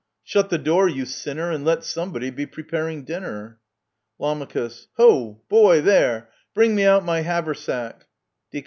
— Shut the door, you sinner, And let somebody be preparing dinner ! Lam. Ho ! boy, there ! Bring me out my haversack ! Die. Ho ! boy, there